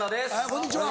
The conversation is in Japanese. こんにちは。